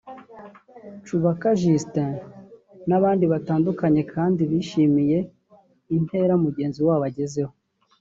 Cubaka Justin n’abandi batandukanye kandi bishimiye intera mugenzi wabo agezeho